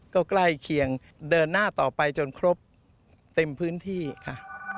ก็ใกล้เคียงเดินหน้าต่อไปจนครบเต็มพื้นที่ค่ะ